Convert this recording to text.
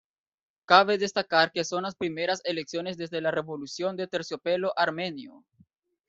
Cabe destacar que son las primeras elecciones desde la revolución de terciopelo armenio.